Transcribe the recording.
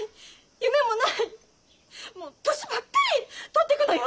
もう年ばっかり取ってくのよ！？